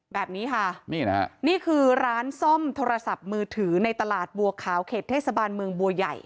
แบบนี้ค่ะนี่นะฮะนี่คือร้านซ่อมโทรศัพท์มือถือในตลาดบัวขาวเขตเทศบาลเมืองบัวใหญ่